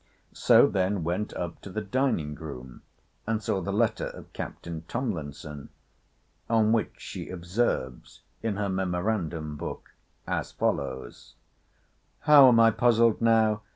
* See Vol. V. Letter XXI. She then went up to the dining room, and saw the letter of Captain Tomlinson: on which she observes in her memorandum book as follows:] 'How am I puzzled now!